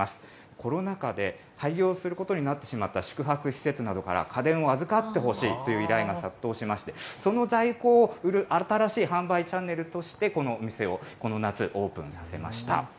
コロナ禍で、廃業することになってしまった宿泊施設などから、家電を預かってほしいという依頼が殺到しまして、その在庫を売る、新しい販売チャンネルとして、この店を、この夏、オープンさせました。